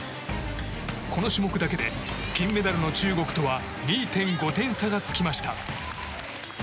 この種目だけで金メダルの中国とは２．５点差がつきました。